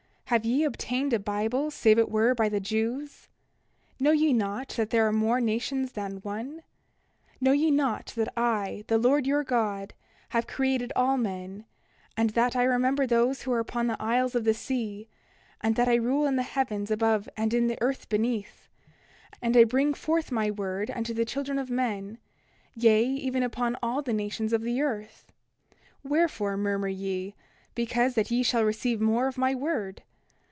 Have ye obtained a Bible save it were by the Jews? 29:7 Know ye not that there are more nations than one? Know ye not that I, the Lord your God, have created all men, and that I remember those who are upon the isles of the sea; and that I rule in the heavens above and in the earth beneath; and I bring forth my word unto the children of men, yea, even upon all the nations of the earth? 29:8 Wherefore murmur ye, because that ye shall receive more of my word?